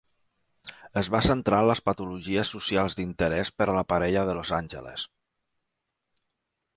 Es va centrar en les patologies socials d'interès per a la parella de Los Angeles.